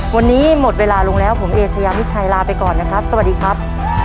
วันนี้หมดเวลาลงแล้วผมเอเชยามิดชัยลาไปก่อนนะครับสวัสดีครับ